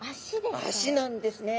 足なんですねえ。